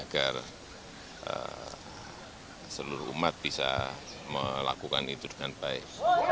dan seluruh umat bisa melakukan itu dengan baik